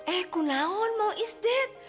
eh aku naon mau isdet